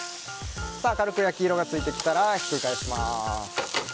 軽く焼き色がついてきたらひっくり返します。